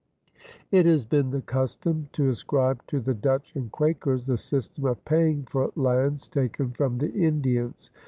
It has been the custom to ascribe to the Dutch and Quakers the system of paying for lands taken from the Indians.